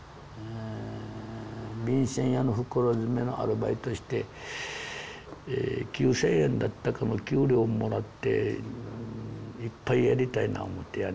便せん屋の袋詰めのアルバイトして９，０００円だったかの給料もらって一杯やりたいな思ってやね